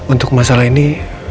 untuk masalah ini